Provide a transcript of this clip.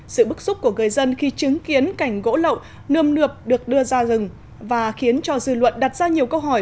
sự bức xúc của người dân khi chứng kiến cảnh gỗ lậu nươm nượp được đưa ra rừng và khiến cho dư luận đặt ra nhiều câu hỏi